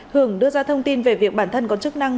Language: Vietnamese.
hưởng đưa ra thông tin về việc bản thân có chức năng